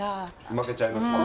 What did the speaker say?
負けちゃいますよね。